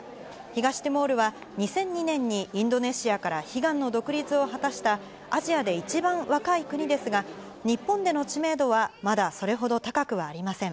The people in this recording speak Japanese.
東ティモールは、２００２年にインドネシアから悲願の独立を果たした、アジアで一番若い国ですが、日本での知名度は、まだそれほど高くはありません。